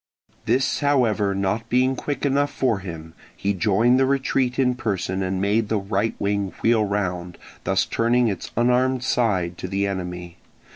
This however not being quick enough for him, he joined the retreat in person and made the right wing wheel round, thus turning its unarmed side to the enemy.